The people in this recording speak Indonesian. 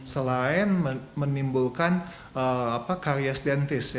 selain menimbulkan karyas dentis